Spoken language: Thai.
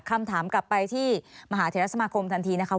คำถามกลับไปที่มหาเทรสมาคมทันทีนะคะ